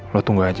lo tunggu aja